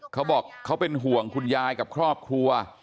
เขาบอกเขาเป็นห่วงคุณยายกับครอบครัว